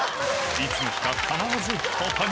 いつの日か必ず保田に。